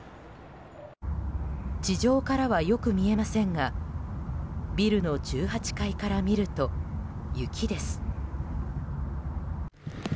地上からはよく見えませんがビルの１８階から見ると雪です。